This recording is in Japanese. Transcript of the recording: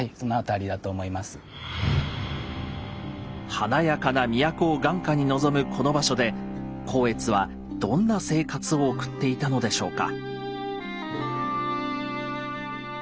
華やかな都を眼下に望むこの場所で光悦はどんな生活を送っていたのでしょうか。